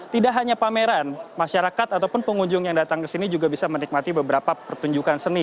tidak hanya pameran masyarakat ataupun pengunjung yang datang ke sini juga bisa menikmati beberapa pertunjukan seni